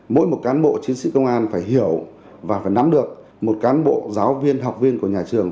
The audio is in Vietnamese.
mỗi một cán bộ chiến sĩ công an phải hiểu và phải nắm được một cán bộ giáo viên học viên của nhà trường